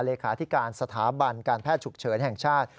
เลขาธิการสถาบันการแพทย์ฉุกเฉินแห่งชาติ